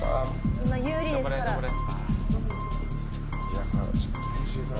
今、有利ですから。